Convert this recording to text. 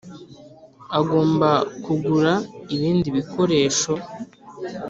agomba kugura ibindi bikoresho